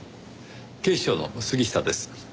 警視庁の杉下です。